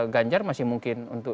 ganjar masih mungkin untuk